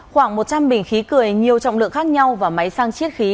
khoảng một trăm linh bình khí cười nhiều trọng lượng khác nhau và máy sang chiết khí